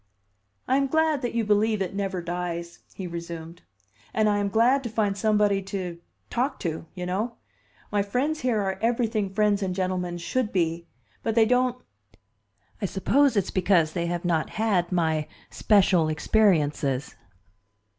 "I am glad that you believe it never dies," he resumed. "And I am glad to find somebody to talk to, you know. My friends here are everything friends and gentlemen should be, but they don't I suppose it's because they have not had my special experiences."